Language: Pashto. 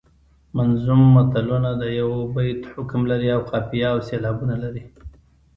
منظوم متلونه د یوه بیت حکم لري او قافیه او سیلابونه لري